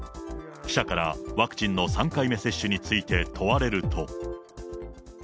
記者からワクチンの３回目接種について問われると。